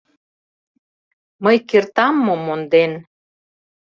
Мый кертам мо монден?»